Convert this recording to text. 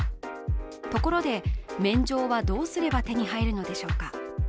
ところで、免状はどうすれば手に入るのでしょうか？